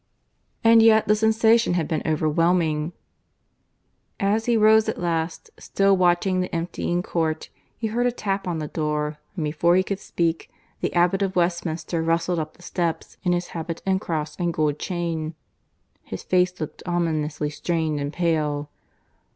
And yet the sensation had been overwhelming. ... As he rose at last, still watching the emptying court, he heard a tap on the door, and before he could speak, the Abbot of Westminster rustled up the steps, in his habit and cross and gold chain. His face looked ominously strained and pale.